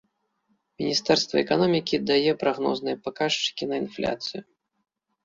Міністэрства эканомікі дае прагнозныя паказчыкі на інфляцыю.